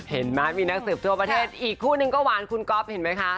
เห็นไหมมีนักสืบทั่วประเทศอีกคู่นึงก็หวานคุณก๊อฟเห็นไหมคะ